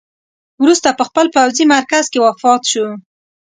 وروسته په خپل پوځي مرکز کې وفات شو.